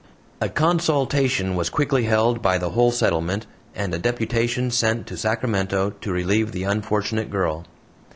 A consultation was quickly held by the whole settlement, and a deputation sent to Sacramento to relieve the unfortunate girl.